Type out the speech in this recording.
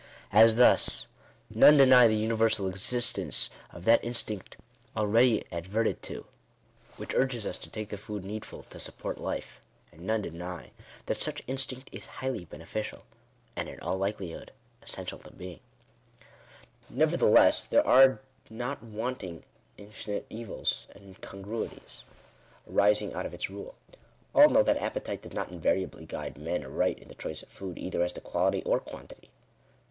As thus: — None deny the universal existence of that instinct already ad verted to, which urges us to take the food needful to support life ; and none deny that such instinct is highly beneficial, and in all likelihood essential to being. Nevertheless there are not wanting infinite evils and incongruities, arising out of its rule. All know that appetite does not invariably guide men aright in the choice of food, either as to quality or quantity.